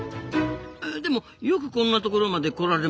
でもよくこんなところまで来られましたなあ。